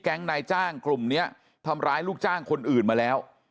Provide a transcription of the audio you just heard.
นายจ้างกลุ่มนี้ทำร้ายลูกจ้างคนอื่นมาแล้ว